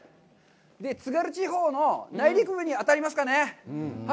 津軽地方の内陸部に当たりますかね。